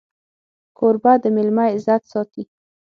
کوربه د مېلمه عزت ساتي.